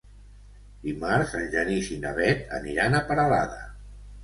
Dimarts en Genís i na Bet aniran a Peralada.